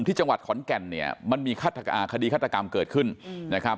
ที่จังหวัดขอนแก่นเนี่ยมันมีคดีฆาตกรรมเกิดขึ้นนะครับ